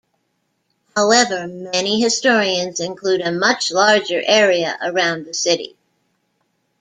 However, many historians include a much larger area around the city.